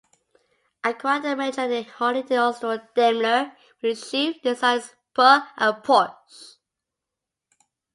Acquired a majority holding in Austro-Daimler with its chief designers Puch and Porsche.